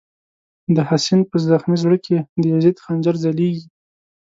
د «حسین» په زغمی زړه کی، د یزید خنجر ځلیږی